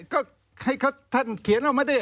ก็ให้เขาเขียนออกมาได้